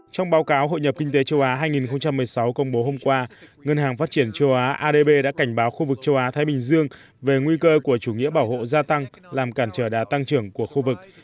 trong báo cáo hội nhập kinh tế châu á hai nghìn một mươi sáu công bố hôm qua ngân hàng phát triển châu á adb đã cảnh báo khu vực châu á thái bình dương về nguy cơ của chủ nghĩa bảo hộ gia tăng làm cản trở đá tăng trưởng của khu vực